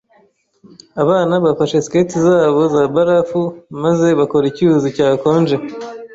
Abana bafashe skate zabo za barafu maze bakora icyuzi cyakonje.